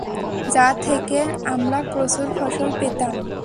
যা থেকে আমরা প্রচুর ফসল পেতাম।